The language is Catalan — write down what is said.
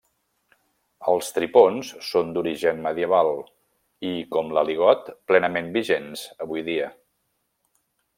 Els tripons són d'origen medieval i, com l'aligot, plenament vigents avui dia.